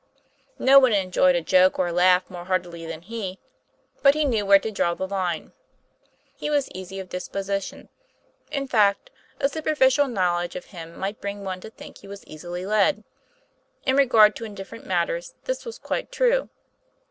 No one enjoyed a joke or a laugh more heartily than he, but he knew where to draw the line. He was easy of disposition; in fact, a superficial knowledge of him might bring one to think he was easily led. In regard to indifferent matters this was quite true.